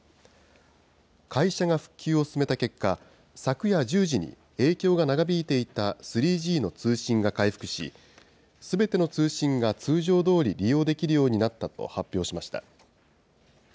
会社が復旧を進めた結果、昨夜１０時に影響が長引いていた３Ｇの通信が回復し、すべての通信が通常どおり利用できるようになったと発表しました。